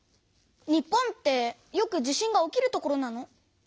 日本ってよく地震が起きる所なの？